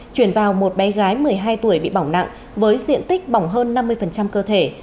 chuyển vào một bé gái một mươi hai tuổi bị bỏng nặng với diện tích bỏng hơn năm mươi cơ thể